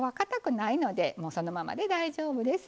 ないのでそのままで大丈夫です。